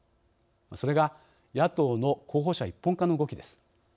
それが野党の候補者一本化の動きです。